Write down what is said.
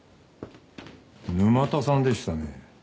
沼田さんでしたね。